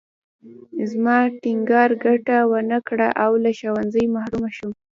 زما ټینګار ګټه ونه کړه او له ښوونځي محرومه شوم